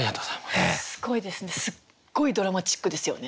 すっごいドラマチックですよね。